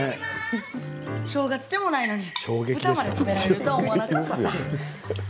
正月でもないのに豚まで食べられるとは思わなかったさ。